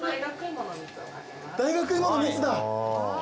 大学芋の蜜だ！